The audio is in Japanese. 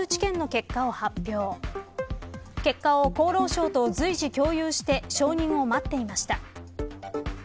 結果を厚労省と随時共有して承認を待っていました。